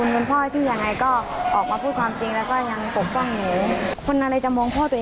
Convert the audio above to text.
ต้องอยู่ในขอบเขตและให้คุณแม่สบายใจด้วย